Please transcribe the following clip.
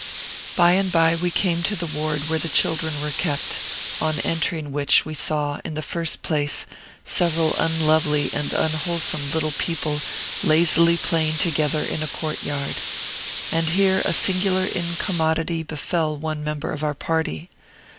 By and by we came to the ward where the children were kept, on entering which, we saw, in the first place, several unlovely and unwholesome little people lazily playing together in a court yard. And here a singular incommodity befell one member of our party.